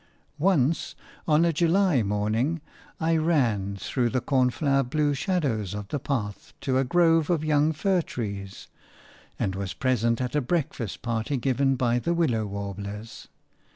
Once, on a July morning, I ran through the cornflower blue shadows of the path to a grove of young fir trees, and was present at a breakfast party given by the willow warblers.